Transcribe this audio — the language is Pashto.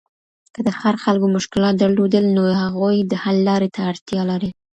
که د ښار خلګو مشکلات درلودل، نو هغوی د حل لاري ته اړتیا لري.